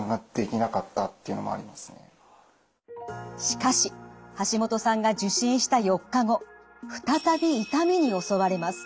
しかしハシモトさんが受診した４日後再び痛みに襲われます。